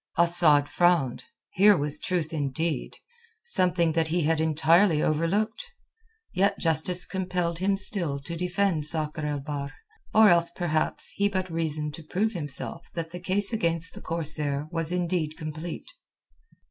Asad frowned. Here was truth indeed, something that he had entirely overlooked. Yet justice compelled him still to defend Sakr el Bahr, or else perhaps he but reasoned to prove to himself that the case against the corsair was indeed complete.